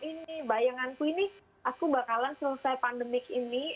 ini bayanganku ini aku bakalan selesai pandemik ini